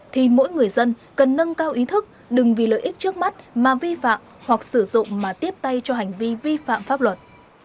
thì mỗi người dân cần nâng cao ý thức đừng vì lợi ích trước mắt mà vi phạm hoặc sử dụng mà tiếp tay cho hành vi vi phạm pháp luật